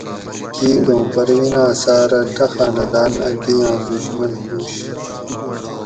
کیکوں پرویناۤں ساۤرہ ڷہ خاندان اکدیاۤں دشمن ہُوش